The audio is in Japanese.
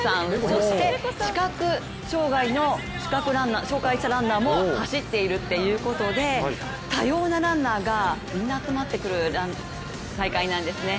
そして視覚障害のランナーも走っているということで多様なランナーがみんな集まってくる大会なんですね。